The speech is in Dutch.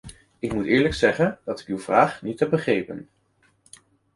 Ik moet eerlijk zeggen dat ik uw vraag niet heb begrepen.